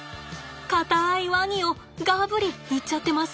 硬いワニをガブリいっちゃってます。